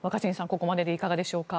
ここまでいかがでしょうか。